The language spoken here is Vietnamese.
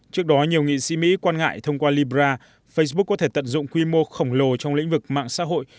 trước đó nhiều nghị sĩ mỹ quan ngại thông qua libra facebook có thể tận dụng quy mô khổng lồ trong lĩnh vực mạng xã hội